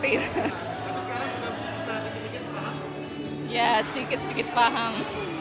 tapi sekarang sudah bisa sedikit sedikit paham